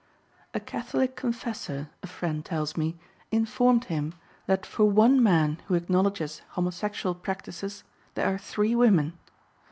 A Catholic confessor, a friend tells me, informed him that for one man who acknowledges homosexual practices there are three women.